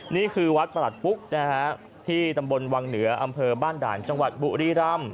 นี่คือวัดประหลัดปุ๊กนะฮะที่ตำบลวังเหนืออำเภอบ้านด่านจังหวัดบุรีรำ